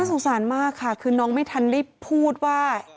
สงสารมากค่ะคือน้องไม่ทันได้พูดว่า